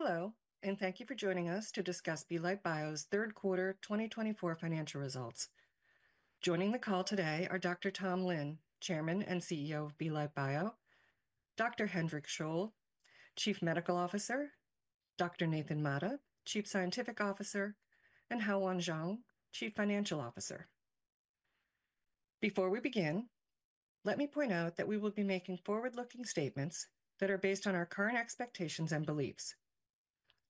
Hello, and thank you for joining us to discuss Belite Bio's Q3 2024 Financial Results. Joining the call today are Dr. Tom Lin, Chairman and CEO of Belite Bio, Dr. Hendrik Scholl, Chief Medical Officer, Dr. Nathan Mata, Chief Scientific Officer, and Hao-Yuan Chuang, Chief Financial Officer. Before we begin, let me point out that we will be making forward-looking statements that are based on our current expectations and beliefs.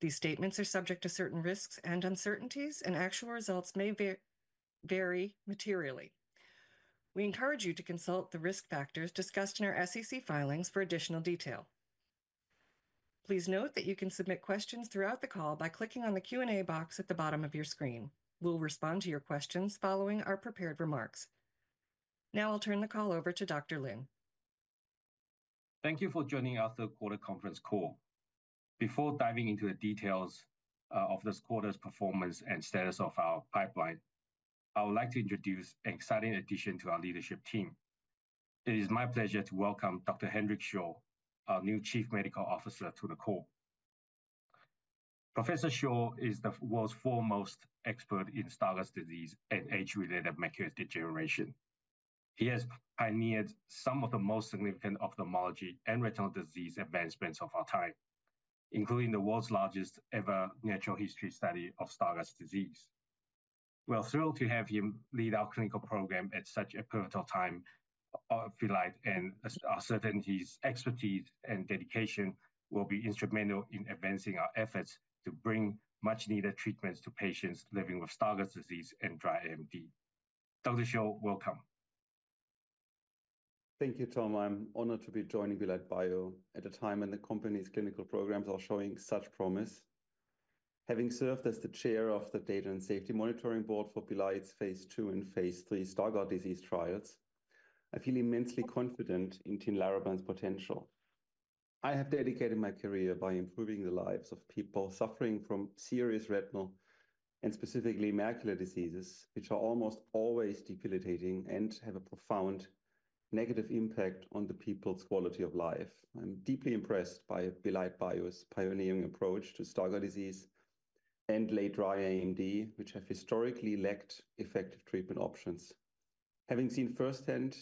These statements are subject to certain risks and uncertainties, and actual results may vary materially. We encourage you to consult the risk factors discussed in our SEC filings for additional detail. Please note that you can submit questions throughout the call by clicking on the Q&A box at the bottom of your screen. We'll respond to your questions following our prepared remarks. Now I'll turn the call over to Dr. Lin. Thank you for joining our Q3 conference call. Before diving into the details of this quarter's performance and status of our pipeline, I would like to introduce an exciting addition to our leadership team. It is my pleasure to welcome Dr. Hendrik Scholl, our new Chief Medical Officer, to the call. Professor Scholl is the world's foremost expert in Stargardt disease and age-related macular degeneration. He has pioneered some of the most significant ophthalmology and retinal disease advancements of our time, including the world's largest ever natural history study of Stargardt disease. We are thrilled to have him lead our clinical program at such a pivotal time of Belite, and I'm certain his expertise and dedication will be instrumental in advancing our efforts to bring much-needed treatments to patients living with Stargardt disease and dry AMD. Dr. Scholl, welcome. Thank you, Tom. I'm honored to be joining Belite Bio at a time when the company's clinical programs are showing such promise. Having served as the Chair of the Data and Safety Monitoring Board for Belite's phase II and phase III Stargardt disease trials, I feel immensely confident in Tinlarebant's potential. I have dedicated my career by improving the lives of people suffering from serious retinal, and specifically macular diseases, which are almost always debilitating and have a profound negative impact on people's quality of life. I'm deeply impressed by Belite Bio's pioneering approach to Stargardt disease and late dry AMD, which have historically lacked effective treatment options. Having seen firsthand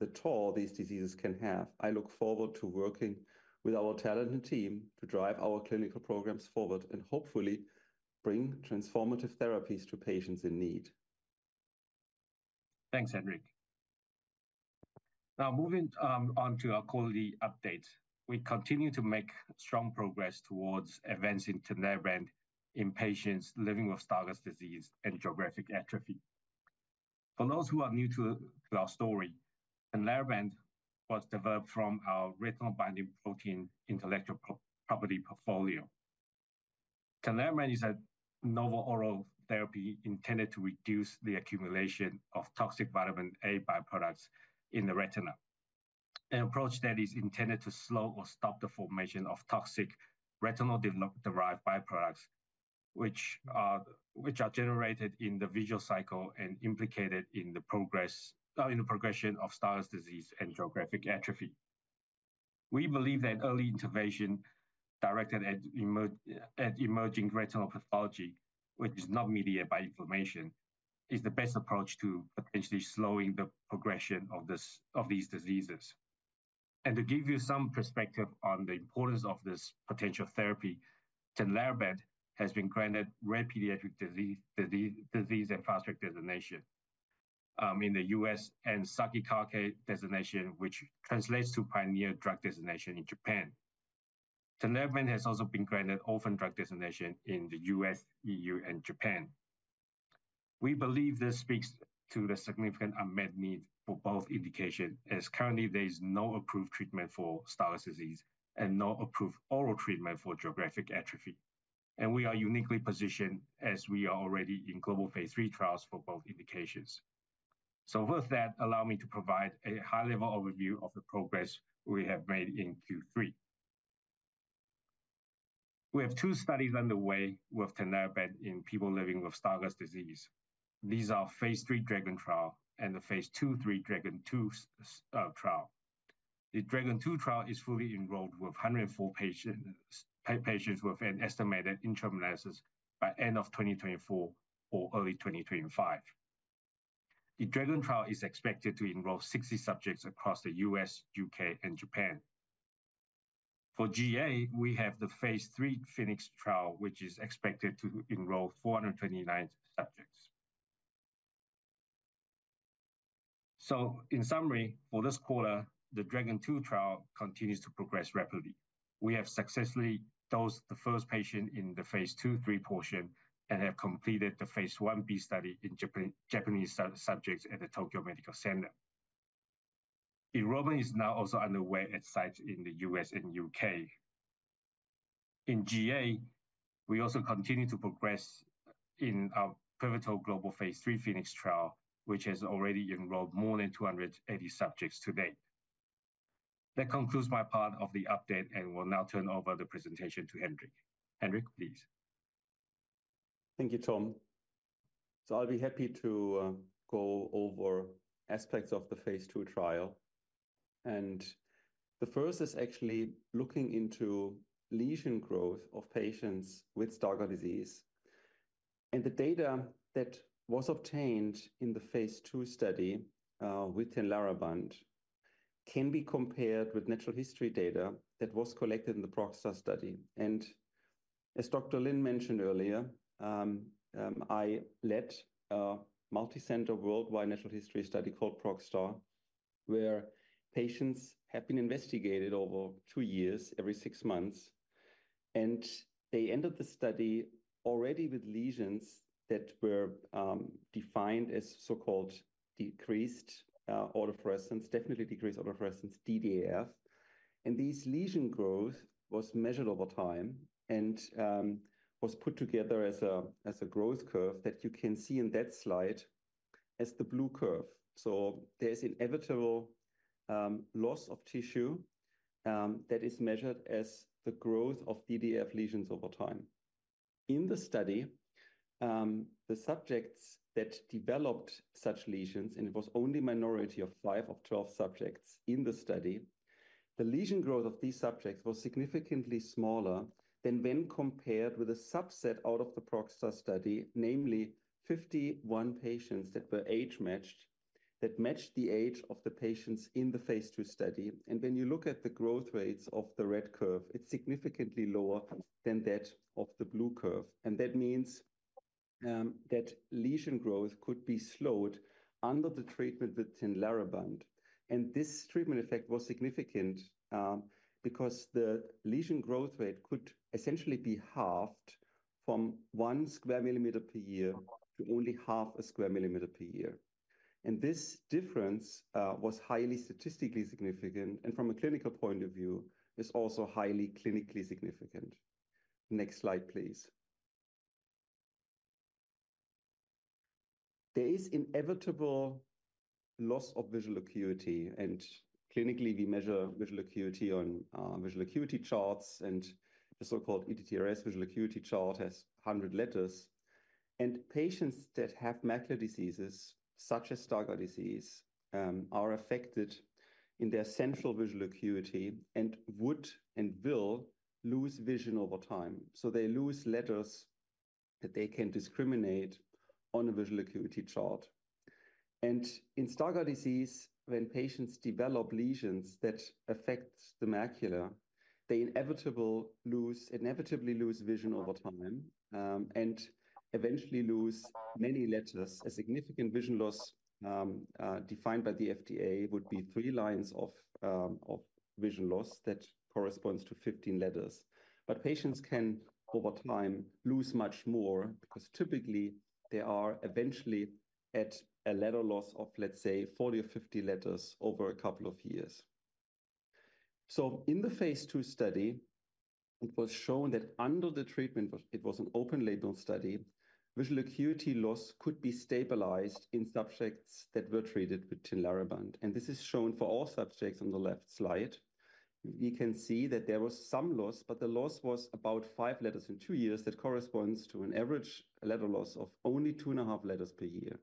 the toll these diseases can have, I look forward to working with our talented team to drive our clinical programs forward and hopefully bring transformative therapies to patients in need. Thanks, Hendrik. Now moving on to our Q1 update, we continue to make strong progress towards advancing Tinlarebant in patients living with Stargardt disease and geographic atrophy. For those who are new to our story, Tinlarebant was developed from our retinal binding protein intellectual property portfolio. Tinlarebant is a novel oral therapy intended to reduce the accumulation of toxic vitamin A byproducts in the retina, an approach that is intended to slow or stop the formation of toxic retinal-derived byproducts, which are generated in the visual cycle and implicated in the progression of Stargardt disease and geographic atrophy. We believe that early intervention directed at emerging retinal pathology, which is not mediated by inflammation, is the best approach to potentially slowing the progression of these diseases. And to give you some perspective on the importance of this potential therapy, Tinlarebant has been granted Rare Pediatric Disease and Fast Track designation in the US and Sakigake designation, which translates to Pioneer Drug designation in Japan. Tinlarebant has also been granted Orphan Drug designation in the US, EU, and Japan. We believe this speaks to the significant unmet need for both indications, as currently there is no approved treatment for Stargardt disease and no approved oral treatment for geographic atrophy. And we are uniquely positioned, as we are already in global phase III trials for both indications. So with that, allow me to provide a high-level overview of the progress we have made in Q3. We have two studies underway with Tinlarebant in people living with Stargardt disease. These are phase III DRAGON trial and the phase 2/3 DRAGON II trial. The DRAGON II trial is fully enrolled with 104 patients with an estimated interim analysis by end of 2024 or early 2025. The DRAGON trial is expected to enroll 60 subjects across the U.S., U.K., and Japan. For GA, we have the phase III PHOENIX trial, which is expected to enroll 429 subjects. So in summary, for this quarter, the DRAGON II trial continues to progress rapidly. We have successfully dosed the first patient in the phase 2/3 portion and have completed the phase 1b study in Japanese subjects at the Tokyo Medical Center. Enrollment is now also underway at sites in the U.S. and U.K. In GA, we also continue to progress in our pivotal global phase III PHOENIX trial, which has already enrolled more than 280 subjects to date. That concludes my part of the update, and we'll now turn over the presentation to Hendrik. Hendrik, please. Thank you, Tom. So I'll be happy to go over aspects of the phase II trial. And the first is actually looking into lesion growth of patients with Stargardt disease. And the data that was obtained in the phase II study with Tinlarebant can be compared with natural history data that was collected in the ProgStar study. And as Dr. Lin mentioned earlier, I led a multicenter worldwide natural history study called ProgStar, where patients have been investigated over two years every six months. And they entered the study already with lesions that were defined as so-called decreased autofluorescence, definitely decreased autofluorescence, DDAF. And these lesion growth was measured over time and was put together as a growth curve that you can see in that slide as the blue curve. So there's inevitable loss of tissue that is measured as the growth of DDAF lesions over time. In the study, the subjects that developed such lesions, and it was only a minority of five of 12 subjects in the study, the lesion growth of these subjects was significantly smaller than when compared with a subset out of the ProgStar study, namely 51 patients that were age-matched, that matched the age of the patients in the phase II study. And when you look at the growth rates of the red curve, it's significantly lower than that of the blue curve. And that means that lesion growth could be slowed under the treatment with Tinlarebant. And this treatment effect was significant because the lesion growth rate could essentially be halved from one square millimeter per year to only half a square millimeter per year. And this difference was highly statistically significant. And from a clinical point of view, it's also highly clinically significant. Next slide, please. There is inevitable loss of visual acuity, and clinically, we measure visual acuity on visual acuity charts, and the so-called ETDRS visual acuity chart has 100 letters. Patients that have macular diseases, such as Stargardt disease, are affected in their central visual acuity and would and will lose vision over time. So they lose letters that they can discriminate on a visual acuity chart. In Stargardt disease, when patients develop lesions that affect the macula, they inevitably lose vision over time and eventually lose many letters. A significant vision loss defined by the FDA would be three lines of vision loss that corresponds to 15 letters. Patients can, over time, lose much more because typically they are eventually at a letter loss of, let's say, 40 or 50 letters over a couple of years. So in the phase II study, it was shown that under the treatment, it was an open-label study. Visual acuity loss could be stabilized in subjects that were treated with Tinlarebant. And this is shown for all subjects on the left slide. We can see that there was some loss, but the loss was about five letters in two years that corresponds to an average letter loss of only two and a half letters per year.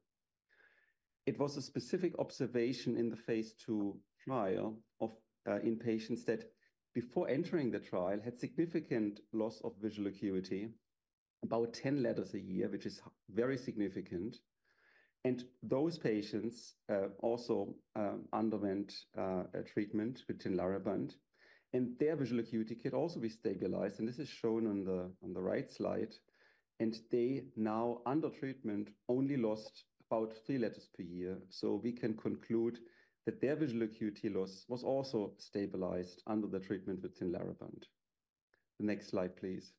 It was a specific observation in the phase II trial of in patients that before entering the trial had significant loss of visual acuity, about 10 letters a year, which is very significant. And those patients also underwent treatment with Tinlarebant. And their visual acuity could also be stabilized. And this is shown on the right slide. And they now, under treatment, only lost about three letters per year. We can conclude that their visual acuity loss was also stabilized under the treatment with Tinlarebant. The next slide, please.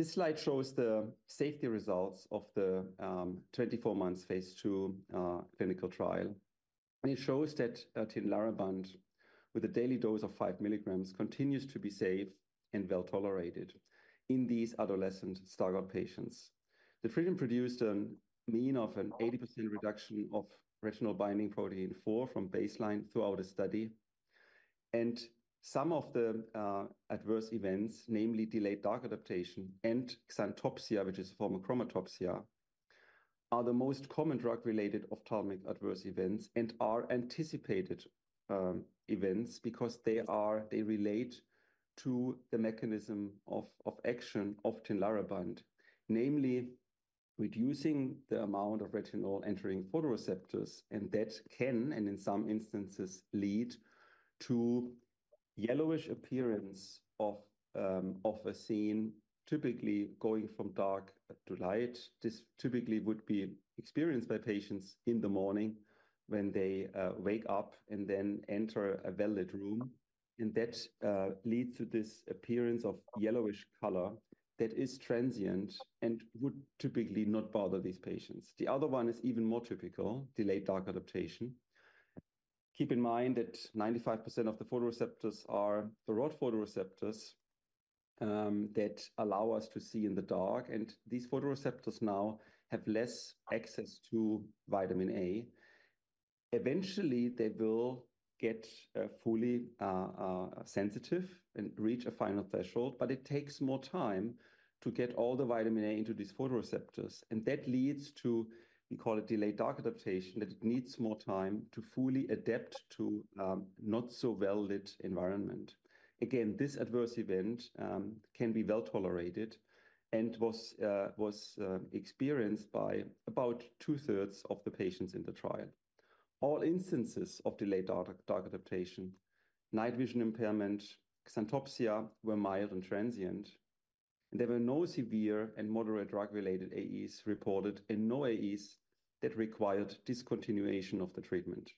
This slide shows the safety results of the 24-month phase II clinical trial. It shows that Tinlarebant, with a daily dose of five milligrams, continues to be safe and well tolerated in these adolescent Stargardt patients. The treatment produced a mean of an 80% reduction of retinal binding protein four from baseline throughout the study. Some of the adverse events, namely delayed dark adaptation and xanthopsia, which is a form of chromatopsia, are the most common drug-related ophthalmic adverse events and are anticipated events because they relate to the mechanism of action of Tinlarebant, namely reducing the amount of retinal entering photoreceptors. That can, and in some instances, lead to yellowish appearance of a scene, typically going from dark to light. This typically would be experienced by patients in the morning when they wake up and then enter a well-lit room, and that leads to this appearance of yellowish color that is transient and would typically not bother these patients. The other one is even more typical: delayed dark adaptation. Keep in mind that 95% of the photoreceptors are the rod photoreceptors that allow us to see in the dark, and these photoreceptors now have less access to vitamin A. Eventually, they will get fully sensitive and reach a final threshold, but it takes more time to get all the vitamin A into these photoreceptors, and that leads to, we call it delayed dark adaptation, that it needs more time to fully adapt to a not-so-well-lit environment. Again, this adverse event can be well tolerated and was experienced by about two-thirds of the patients in the trial. All instances of delayed dark adaptation, night vision impairment, xanthopsia were mild and transient. There were no severe and moderate drug-related AEs reported and no AEs that required discontinuation of the treatment.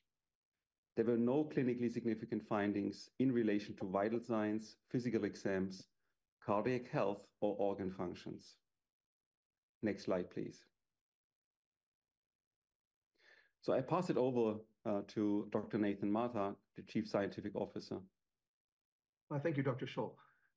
There were no clinically significant findings in relation to vital signs, physical exams, cardiac health, or organ functions. Next slide, please. So I pass it over to Dr. Nathan Mata, the Chief Scientific Officer. Thank you, Dr.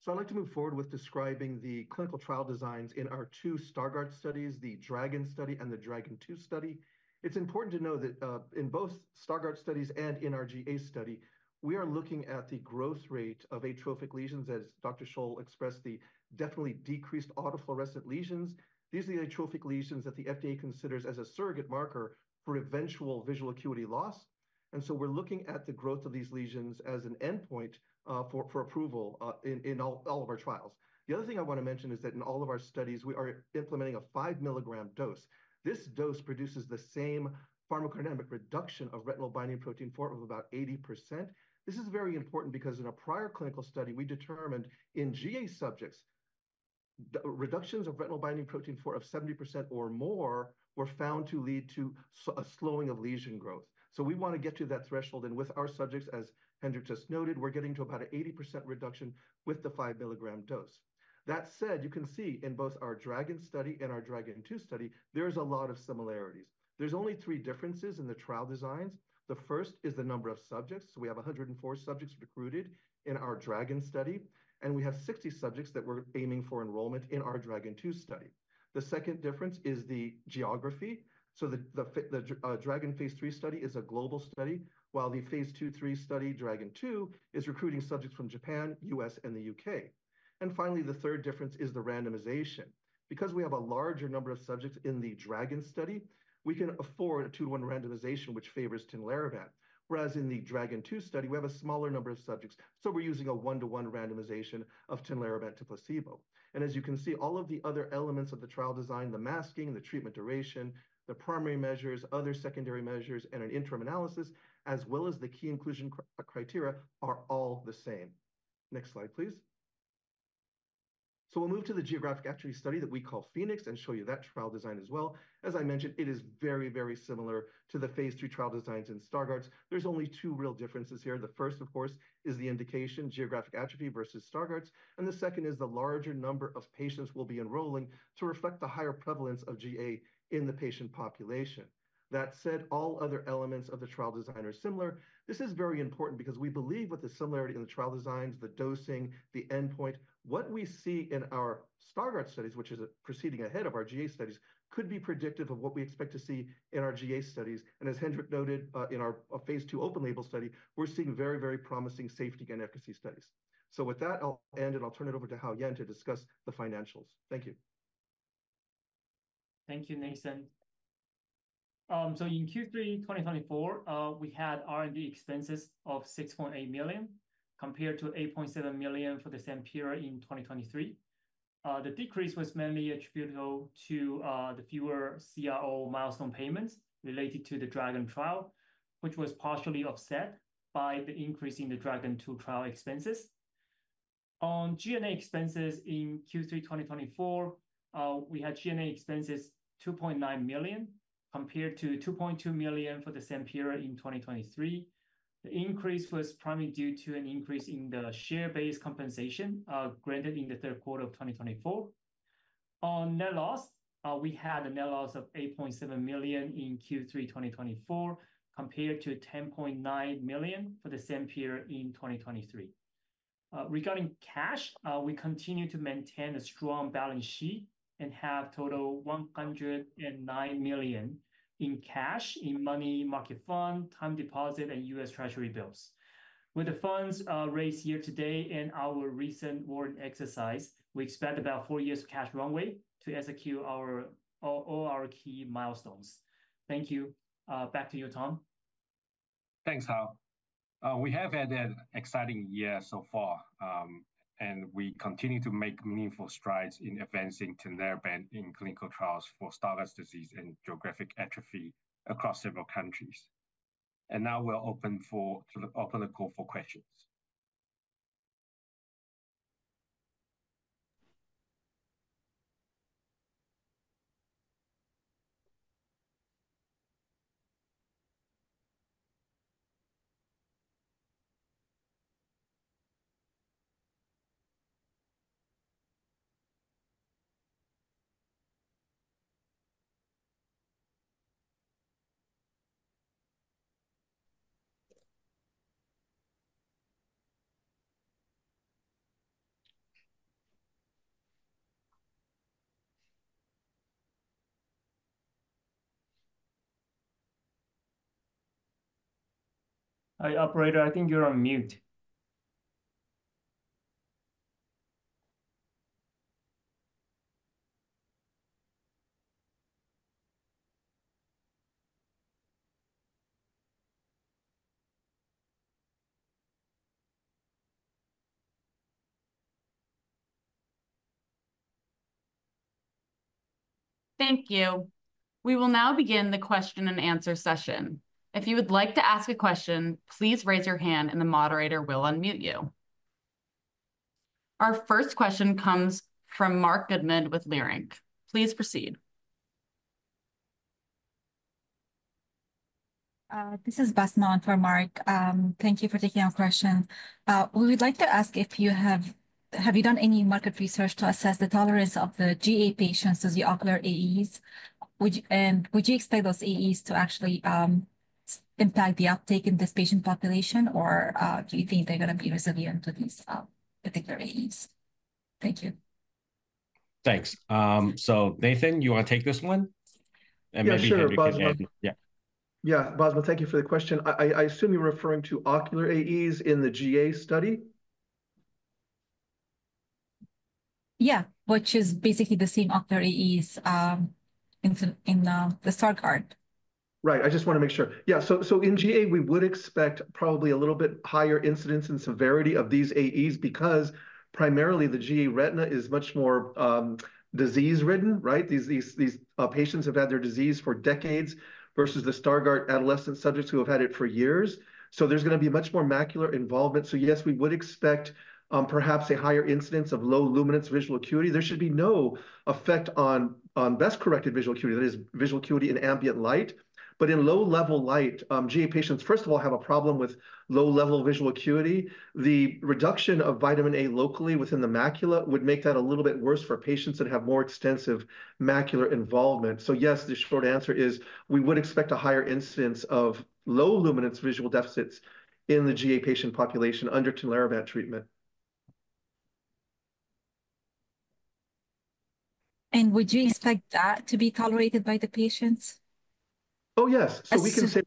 Scholl. I'd like to move forward with describing the clinical trial designs in our two Stargardt studies, the DRAGON study and the DRAGON II study. It's important to know that in both Stargardt studies and our GA study, we are looking at the growth rate of atrophic lesions, as Dr. Scholl expressed, the definitely decreased autofluorescence lesions. These are the atrophic lesions that the FDA considers as a surrogate marker for eventual visual acuity loss. And so we're looking at the growth of these lesions as an endpoint for approval in all of our trials. The other thing I want to mention is that in all of our studies, we are implementing a five milligram dose. This dose produces the same pharmacodynamic reduction of retinal binding protein 4 of about 80%. This is very important because in a prior clinical study, we determined in GA subjects, reductions of retinal binding protein for a 70% or more were found to lead to a slowing of lesion growth. So we want to get to that threshold. And with our subjects, as Hendrik just noted, we're getting to about an 80% reduction with the five milligram dose. That said, you can see in both our Dragon study and our Dragon II study, there are a lot of similarities. There are only three differences in the trial designs. The first is the number of subjects. So we have 104 subjects recruited in our Dragon study, and we have 60 subjects that we're aiming for enrollment in our Dragon II study. The second difference is the geography. The DRAGON phase III study is a global study, while the phase 2/3 study, DRAGON II, is recruiting subjects from Japan, U.S., and the U.K. And finally, the third difference is the randomization. Because we have a larger number of subjects in the DRAGON study, we can afford a two-to-one randomization, which favors Tinlarebant. Whereas in the DRAGON II study, we have a smaller number of subjects. So we're using a one-to-one randomization of Tinlarebant to placebo. And as you can see, all of the other elements of the trial design, the masking, the treatment duration, the primary measures, other secondary measures, and an interim analysis, as well as the key inclusion criteria, are all the same. Next slide, please. So we'll move to the geographic atrophy study that we call PHOENIX and show you that trial design as well. As I mentioned, it is very, very similar to the phase III trial designs in Stargardt. There's only two real differences here. The first, of course, is the indication, geographic atrophy versus Stargardt. And the second is the larger number of patients we'll be enrolling to reflect the higher prevalence of GA in the patient population. That said, all other elements of the trial design are similar. This is very important because we believe with the similarity in the trial designs, the dosing, the endpoint, what we see in our Stargardt studies, which is preceding ahead of our GA studies, could be predictive of what we expect to see in our GA studies. And as Hendrik noted, in our phase II open-label study, we're seeing very, very promising safety and efficacy studies. So with that, I'll end, and I'll turn it over to Hao-Yuan to discuss the financials. Thank you. Thank you, Nathan. In Q3 2024, we had R&D expenses of $6.8 million compared to $8.7 million for the same period in 2023. The decrease was mainly attributable to the fewer CRO milestone payments related to the DRAGON trial, which was partially offset by the increase in the DRAGON II trial expenses. On G&A expenses in Q3 2024, we had G&A expenses of $2.9 million compared to $2.2 million for the same period in 2023. The increase was primarily due to an increase in the share-based compensation granted in the Q3 of 2024. On net loss, we had a net loss of $8.7 million in Q3 2024 compared to $10.9 million for the same period in 2023. Regarding cash, we continue to maintain a strong balance sheet and have a total of $109 million in cash in money market fund, time deposit, and U.S. Treasury bills. With the funds raised here today and our recent warrant exercise, we expect about four years of cash runway to execute all our key milestones. Thank you. Back to you, Tom. Thanks, Hao. We have had an exciting year so far, and we continue to make meaningful strides in advancing Tinlarebant in clinical trials for Stargardt disease and geographic atrophy across several countries. And now we'll open the call for questions. Hi, operator. I think you're on mute. Thank you. We will now begin the question and answer session. If you would like to ask a question, please raise your hand, and the moderator will unmute you. Our first question comes from Mark Goodman with Leerink. Please proceed. This is Basma Radwan for Mark Goodman. Thank you for taking our question. We would like to ask if you have done any market research to assess the tolerance of the GA patients to the ocular AEs? Would you expect those AEs to actually impact the uptake in this patient population, or do you think they're going to be resilient to these particular AEs? Thank you. Thanks. So, Nathan, you want to take this one? And maybe you can answer. Yeah, Basma, thank you for the question. I assume you're referring to ocular AEs in the GA study? Yeah, which is basically the same ocular AEs in the Stargardt. Right. I just want to make sure. Yeah. So in GA, we would expect probably a little bit higher incidence and severity of these AEs because primarily the GA retina is much more disease-ridden, right? These patients have had their disease for decades versus the Stargardt adolescent subjects who have had it for years. So there's going to be much more macular involvement. So yes, we would expect perhaps a higher incidence of low luminance visual acuity. There should be no effect on best-corrected visual acuity. That is visual acuity in ambient light. But in low-level light, GA patients, first of all, have a problem with low-level visual acuity. The reduction of vitamin A locally within the macula would make that a little bit worse for patients that have more extensive macular involvement. So yes, the short answer is we would expect a higher incidence of low luminance visual deficits in the GA patient population under Tinlarebant treatment. Would you expect that to be tolerated by the patients? Oh, yes. So we can say,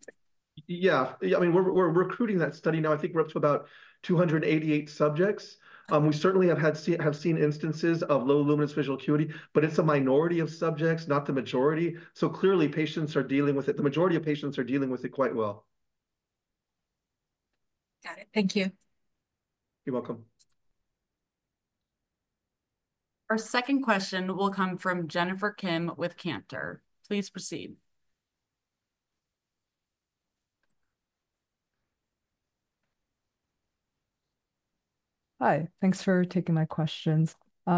yeah, I mean, we're recruiting that study now. I think we're up to about 288 subjects. We certainly have seen instances of low luminance visual acuity, but it's a minority of subjects, not the majority. So clearly, patients are dealing with it. The majority of patients are dealing with it quite well. Got it. Thank you. You're welcome. Our second question will come from Jennifer Kim with Cantor. Please proceed. Hi. Thanks for taking my questions.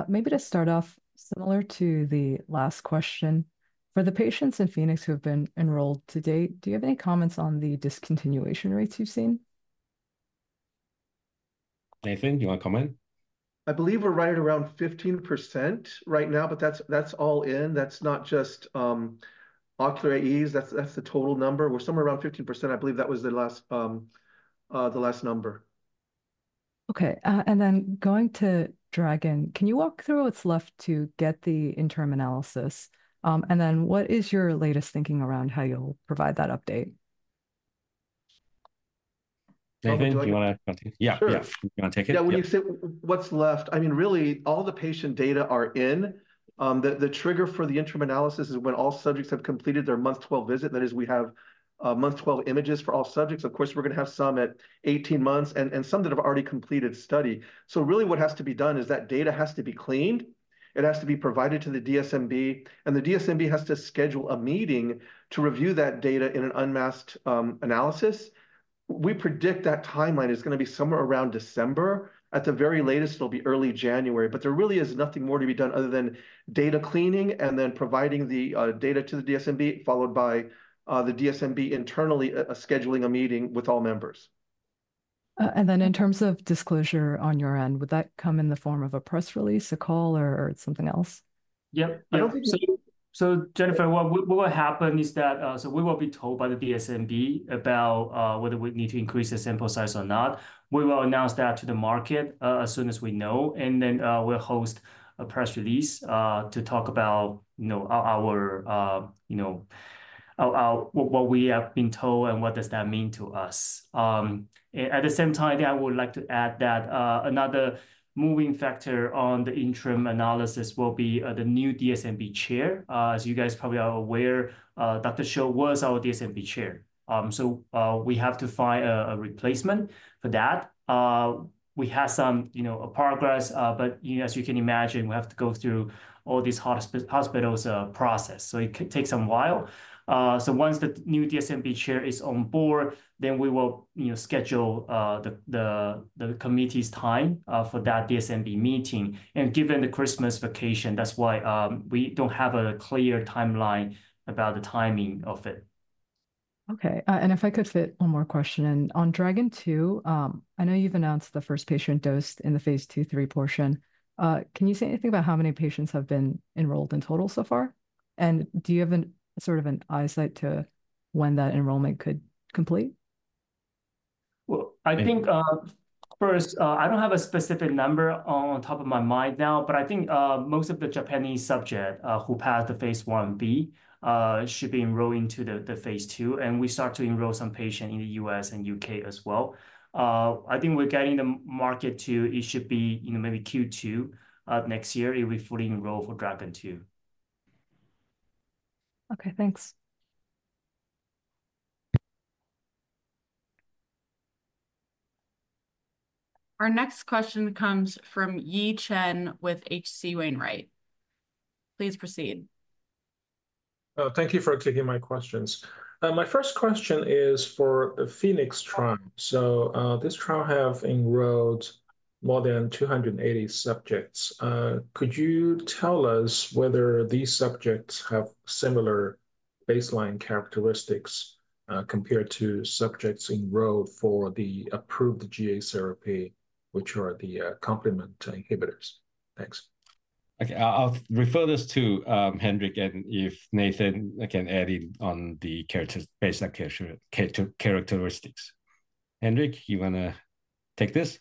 Maybe to start off, similar to the last question, for the patients in PHOENIX who have been enrolled to date, do you have any comments on the discontinuation rates you've seen? Nathan, do you want to comment? I believe we're right at around 15% right now, but that's all in. That's not just ocular AEs. That's the total number. We're somewhere around 15%. I believe that was the last number. Okay. And then going to Dragon, can you walk through what's left to get the interim analysis? And then what is your latest thinking around how you'll provide that update? Nathan, do you want to take it? Yeah, yeah. Do you want to take it? Yeah. When you say what's left, I mean, really, all the patient data are in. The trigger for the interim analysis is when all subjects have completed their month 12 visit. That is, we have month 12 images for all subjects. Of course, we're going to have some at 18 months and some that have already completed study, so really, what has to be done is that data has to be cleaned. It has to be provided to the DSMB, and the DSMB has to schedule a meeting to review that data in an unmasked analysis. We predict that timeline is going to be somewhere around December. At the very latest, it'll be early January. But there really is nothing more to be done other than data cleaning and then providing the data to the DSMB, followed by the DSMB internally scheduling a meeting with all members. And then in terms of disclosure on your end, would that come in the form of a press release, a call, or something else? Yep. So Jennifer, what will happen is that we will be told by the DSMB about whether we need to increase the sample size or not. We will announce that to the market as soon as we know. And then we'll host a press release to talk about what we have been told and what does that mean to us. At the same time, I would like to add that another moving factor on the interim analysis will be the new DSMB chair. As you guys probably are aware, Dr. Scholl was our DSMB chair. So we have to find a replacement for that. We have some progress, but as you can imagine, we have to go through all these hospitals' process. So it takes a while. So once the new DSMB chair is on board, then we will schedule the committee's time for that DSMB meeting. And given the Christmas vacation, that's why we don't have a clear timeline about the timing of it. Okay. If I could fit one more question. On DRAGON II, I know you've announced the first patient dosed in the phase 2/3 portion. Can you say anything about how many patients have been enrolled in total so far? Do you have sort of an insight to when that enrollment could complete? I think first, I don't have a specific number at the top of my mind now, but I think most of the Japanese subjects who passed the phase 1b should be enrolled into the phase II. We start to enroll some patients in the U.S. and U.K. as well. I think we're getting there. It should be maybe Q2 next year if we fully enroll for DRAGON II. Okay. Thanks. Our next question comes from Yi Chen with H.C. Wainwright. Please proceed. Thank you for taking my questions. My first question is for the Phoenix trial. So this trial has enrolled more than 280 subjects. Could you tell us whether these subjects have similar baseline characteristics compared to subjects enrolled for the approved GA therapy, which are the complement inhibitors? Thanks. Okay. I'll refer this to Hendrik and if Nathan can add in on the baseline characteristics. Hendrik, you want to take this?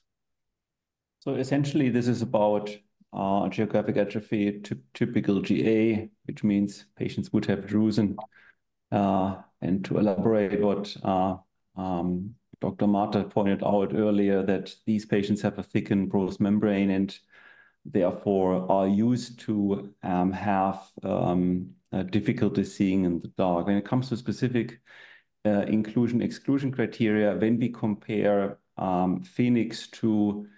Essentially, this is about geographic atrophy to typical GA, which means patients would have drusen. To elaborate what Dr. Mata pointed out earlier, that these patients have a thickened Bruch's membrane and therefore are used to have difficulty seeing in the dark. When it comes to specific inclusion-exclusion criteria, when we compare Phoenix to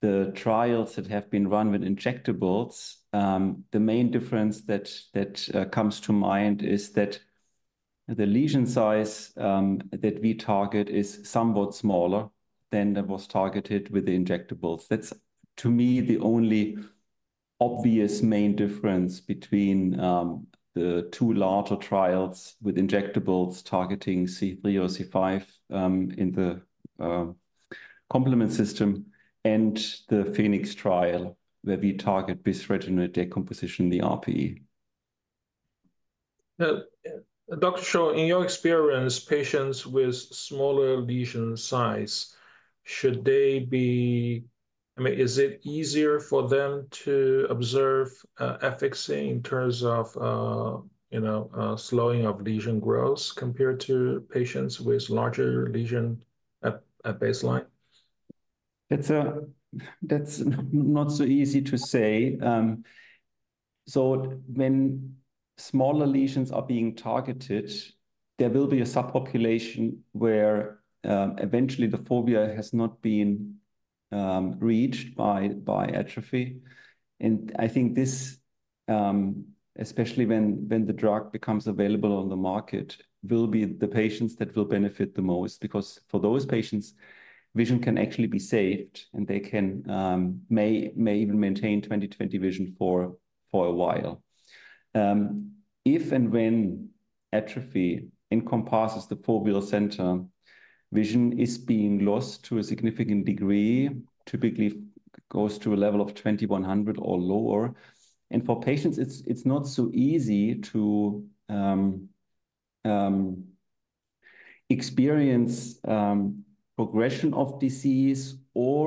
the trials that have been run with injectables, the main difference that comes to mind is that the lesion size that we target is somewhat smaller than that was targeted with the injectables. That's, to me, the only obvious main difference between the two larger trials with injectables targeting C3 or C5 in the complement system and the Phoenix trial where we target bisretinoid decomposition, the RPE. Dr. Scholl, in your experience, patients with smaller lesion size, should they be? I mean, is it easier for them to observe efficacy in terms of slowing of lesion growth compared to patients with larger lesion at baseline? That's not so easy to say, so when smaller lesions are being targeted, there will be a subpopulation where eventually the fovea has not been reached by atrophy. I think this, especially when the drug becomes available on the market, will be the patients that will benefit the most because for those patients, vision can actually be saved, and they may even maintain 20/20 vision for a while. If and when atrophy encompasses the foveal center, vision is being lost to a significant degree, typically goes to a level of 20/100 or lower. For patients, it's not so easy to experience progression of disease or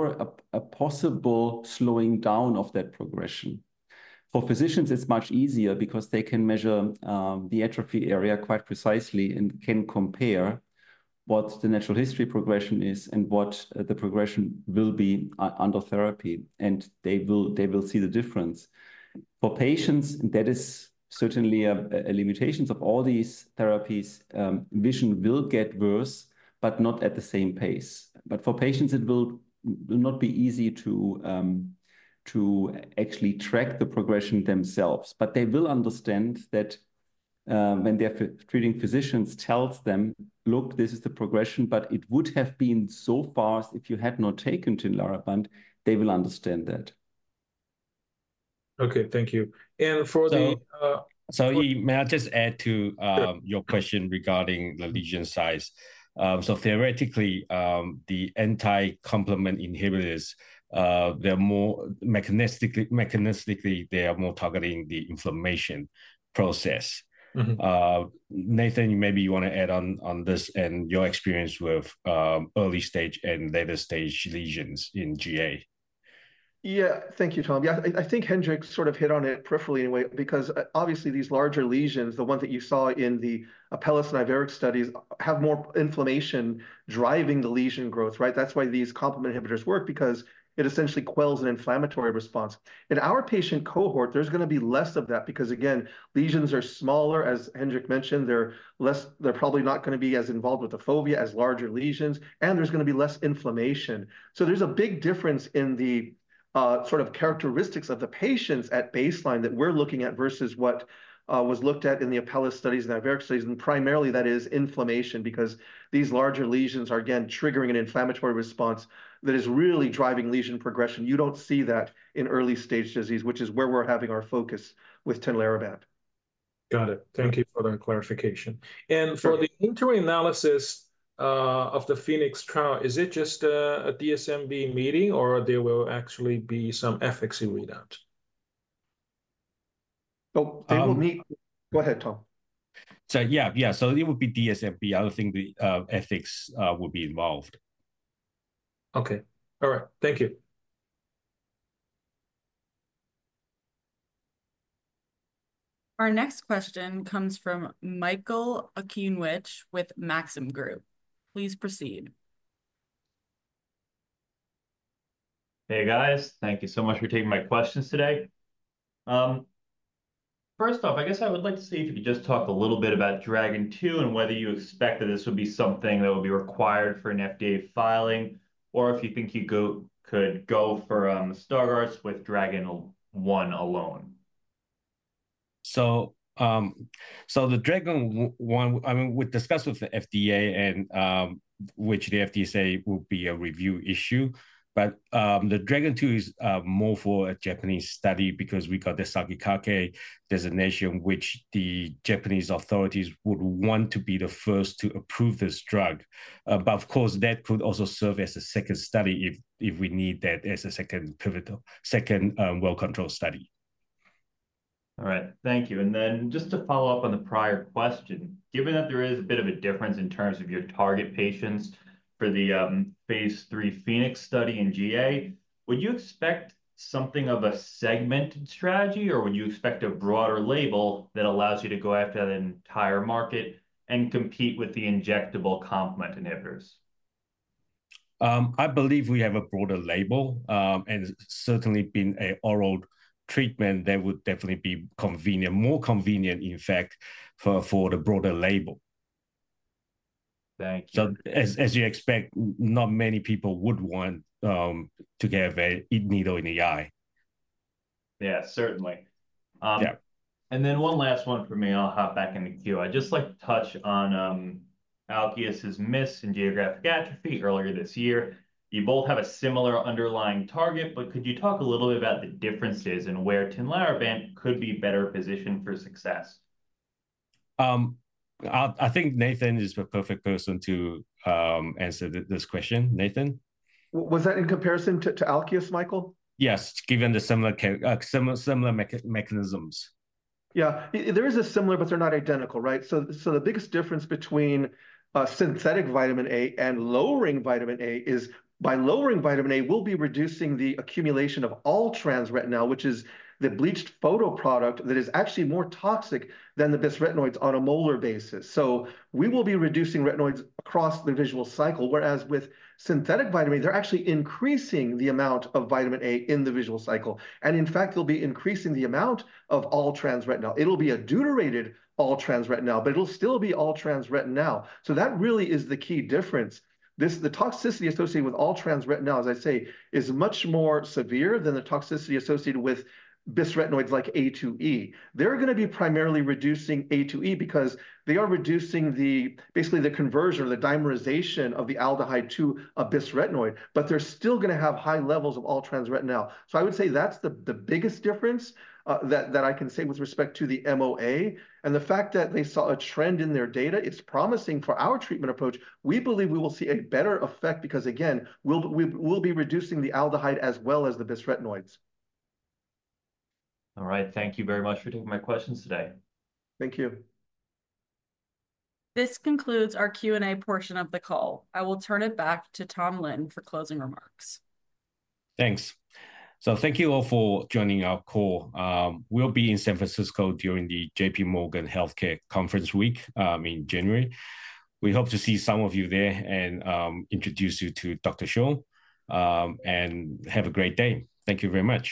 a possible slowing down of that progression. For physicians, it's much easier because they can measure the atrophy area quite precisely and can compare what the natural history progression is and what the progression will be under therapy. And they will see the difference. For patients, that is certainly a limitation of all these therapies. Vision will get worse, but not at the same pace. But for patients, it will not be easy to actually track the progression themselves. But they will understand that when their treating physicians tells them, "Look, this is the progression, but it would have been so far if you had not taken Tinlarebant," they will understand that. Okay. Thank you. May I just add to your question regarding the lesion size? Theoretically, the anti-complement inhibitors, they're more mechanistically, they are more targeting the inflammation process. Nathan, maybe you want to add on this and your experience with early stage and later stage lesions in GA. Yeah. Thank you, Tom. Yeah, I think Hendrik sort of hit on it peripherally in a way because obviously these larger lesions, the ones that you saw in the Apellis and Iveric studies, have more inflammation driving the lesion growth, right? That's why these complement inhibitors work because it essentially quells an inflammatory response. In our patient cohort, there's going to be less of that because, again, lesions are smaller, as Hendrik mentioned. They're probably not going to be as involved with the fovea as larger lesions, and there's going to be less inflammation. So there's a big difference in the sort of characteristics of the patients at baseline that we're looking at versus what was looked at in the Apellis studies and Iveric studies. And primarily, that is inflammation because these larger lesions are, again, triggering an inflammatory response that is really driving lesion progression. You don't see that in early stage disease, which is where we're having our focus with Tinlarebant. Got it. Thank you for the clarification. And for the interim analysis of the Phoenix trial, is it just a DSMB meeting, or there will actually be some efficacy readout? They will meet. Go ahead, Tom. So yeah, yeah. So it would be DSMB. I don't think the ethics would be involved. Okay. All right. Thank you. Our next question comes from Michael Okunewitch with Maxim Group. Please proceed. Hey, guys. Thank you so much for taking my questions today. First off, I guess I would like to see if you could just talk a little bit about DRAGON II and whether you expect that this would be something that would be required for an FDA filing or if you think you could go for Stargardt with DRAGON alone. So the DRAGON, I mean, we discussed with the FDA, which the FDA said would be a review issue. But the DRAGON II is more for a Japanese study because we got the Sakigake designation, which the Japanese authorities would want to be the first to approve this drug. But of course, that could also serve as a second study if we need that as a second well-controlled study. All right. Thank you. And then just to follow up on the prior question, given that there is a bit of a difference in terms of your target patients for the phase III Phoenix study in GA, would you expect something of a segmented strategy, or would you expect a broader label that allows you to go after the entire market and compete with the injectable complement inhibitors? I believe we have a broader label, and certainly, being an oral treatment, that would definitely be more convenient, in fact, for the broader label. Thank you. As you expect, not many people would want to have a needle in the eye. Yeah, certainly. And then one last one for me. I'll hop back in the queue. I'd just like to touch on Alkeus' miss in geographic atrophy earlier this year. You both have a similar underlying target, but could you talk a little bit about the differences and where Tinlarebant could be better positioned for success? I think Nathan is the perfect person to answer this question. Nathan? Was that in comparison to Alkeus, Michael? Yes, given the similar mechanisms. Yeah. There is a similar, but they're not identical, right? So the biggest difference between synthetic vitamin A and lowering vitamin A is by lowering vitamin A, we'll be reducing the accumulation of all-trans-retinal, which is the bleached photoproduct that is actually more toxic than the bisretinoids on a molar basis. So we will be reducing retinoids across the visual cycle, whereas with synthetic vitamin, they're actually increasing the amount of vitamin A in the visual cycle. And in fact, they'll be increasing the amount of all-trans-retinal. It'll be a deuterated all-trans-retinal, but it'll still be all-trans-retinal. So that really is the key difference. The toxicity associated with all-trans-retinal, as I say, is much more severe than the toxicity associated with bisretinoids like A2E. They're going to be primarily reducing A2E because they are reducing basically the conversion or the dimerization of the aldehyde to a bisretinoid, but they're still going to have high levels of all trans retinol. So I would say that's the biggest difference that I can say with respect to the MOA. And the fact that they saw a trend in their data, it's promising for our treatment approach. We believe we will see a better effect because, again, we'll be reducing the aldehyde as well as the bisretinoids. All right. Thank you very much for taking my questions today. Thank you. This concludes our Q&A portion of the call. I will turn it back to Tom Lin for closing remarks. Thanks. So thank you all for joining our call. We'll be in San Francisco during the J.P. Morgan Healthcare Conference Week in January. We hope to see some of you there and introduce you to Dr. Scholl, and have a great day. Thank you very much.